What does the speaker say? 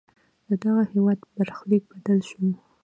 ددغه هېواد برخلیک بدل شو.